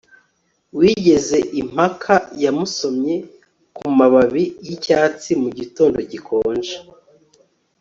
wigeze impaka yamusomye kumababi yicyatsi mugitondo gikonje